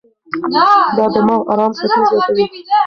دا د دماغ ارام څپې زیاتوي.